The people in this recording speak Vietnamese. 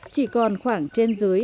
chỉ còn khoảng trên dưới